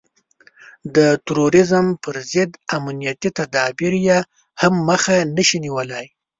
د تروريزم پر ضد امنيتي تدابير يې هم مخه نشي نيولای.